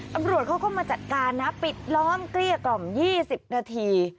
ตำรวจเขาก็มาจัดการนะปิดล้อมเกลี้ยกล่อม๒๐นาที